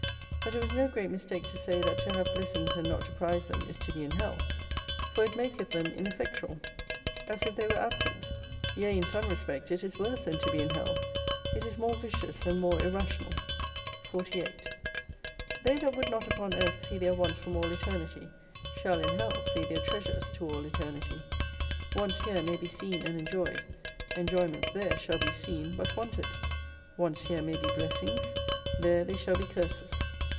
But it was no great mis take to say, that to have blessings and not to prize them is to be in Hell. For it maketh them ineffectual, 3a as if they were absent. Yea, In some respect it is worse than to be in Hell. It is more vicious, and more irra tional. 48 They that would not upon earth see their wants from all Eternity, shall in Hell see their treasures to all Eternity. Wants here may be seen and enjoyed, en joyments there shall be seen, but wanted. "Wants here may be blessings ; there they shall be curses.